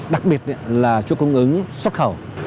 đặc biệt là chuỗi cung ứng xuất khẩu